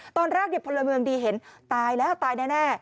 ตอนแรกพลเมืองดีเห็นตายแล้วตายแน่